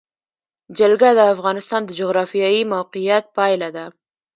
جلګه د افغانستان د جغرافیایي موقیعت پایله ده.